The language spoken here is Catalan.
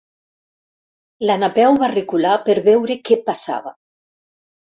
La Napeu va recular per veure què passava.